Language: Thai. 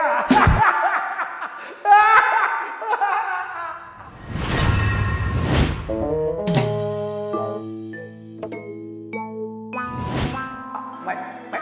ไอ้หลุงไม่ได้ลงไปช่วยมีคนถีกลงไป